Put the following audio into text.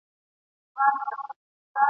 پرېږده چي تور مولوي ..